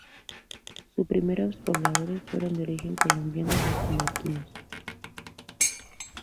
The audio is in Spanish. Sus primero pobladores fueron de origen colombianos y jamaicanos.